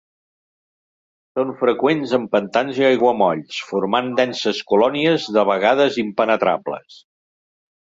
Són freqüents en pantans i aiguamolls, formant denses colònies de vegades impenetrables.